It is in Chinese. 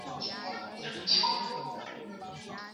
不久萨特考上了巴黎高等师范学校攻读哲学。